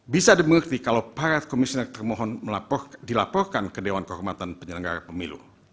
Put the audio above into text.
bisa dimengerti kalau para komisioner termohon dilaporkan ke dewan kehormatan penyelenggara pemilu